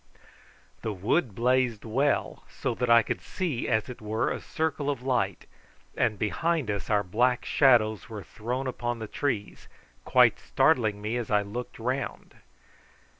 The wood blazed well, so that I could see, as it were, a circle of light, and behind us our black shadows were thrown upon the trees, quite startling me as I looked round.